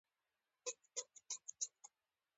ازادي راډیو د سوله د اړونده قوانینو په اړه معلومات ورکړي.